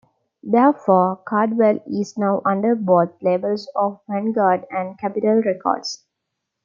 Therefore, Caldwell is now under both labels of Vanguard and Capitol Records.